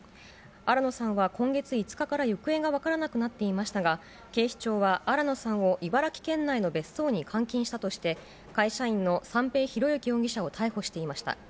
新野さんは今月５日から行方が分からなくなっていましたが、警視庁は新野さんを茨城県内の別荘に監禁したとして、会社員の三瓶博幸容疑者を逮捕していました。